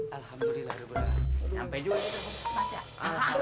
alhamdulillah nyampe juga kalau gitu